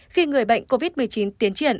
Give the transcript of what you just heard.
khi người bệnh covid một mươi chín tiến triển